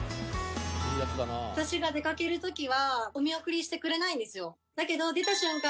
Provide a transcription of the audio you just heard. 私が出かける時はお見送りしてくれないんですよだけど出た瞬間